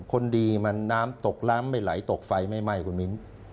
คนดีมันน้ำตกน้ำไม่ไหลตกไฟไม่ไหม้คุณมิ้น